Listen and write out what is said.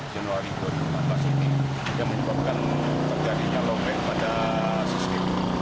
januari dua ribu dua puluh yang menyebabkan terjadinya longsor pada sistem